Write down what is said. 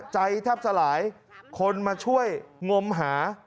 ใจแทบสลายคนมาช่วยงมหา